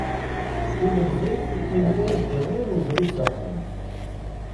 Tilemẓit iban-as-d iḍul ubrid s axxam.